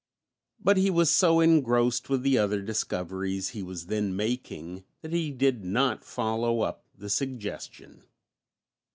But he was so engrossed with the other discoveries he was then making that he did not follow up the suggestion.